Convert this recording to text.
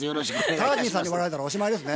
タージンさんに笑われたらおしまいですね。